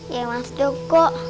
ya mas joko